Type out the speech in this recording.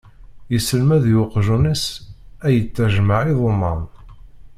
Yesselmed i uqjun-is ad yettajmaɛ iḍumman.